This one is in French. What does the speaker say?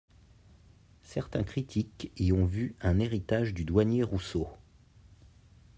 Certains critiques y ont vu un héritage du Douanier Rousseau.